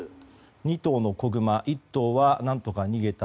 ２頭の子グマ１頭は何とか逃げた。